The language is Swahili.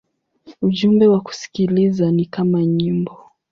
Ujumbe wa kusikiliza ni kama nyimbo.